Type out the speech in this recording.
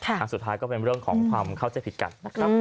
อันสุดท้ายก็เป็นเรื่องของความเข้าใจผิดกันนะครับ